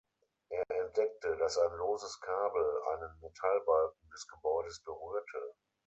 Er entdeckte, dass ein loses Kabel einen Metallbalken des Gebäudes berührte.